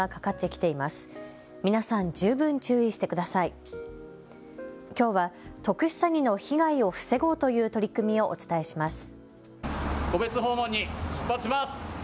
きょうは特殊詐欺の被害を防ごうという取り組みをお伝えします。